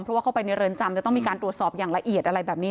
เพราะเข้าในเรินจำจะต้องมีการตัวสอบอย่างละเอียด